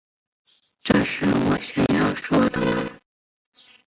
这是我想要说的吗